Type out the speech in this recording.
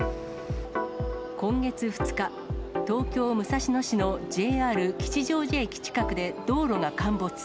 今月２日、東京・武蔵野市のＪＲ吉祥寺駅近くで道路が陥没。